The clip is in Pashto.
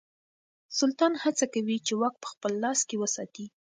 سلطان هڅه کوي چې واک په خپل لاس کې وساتي.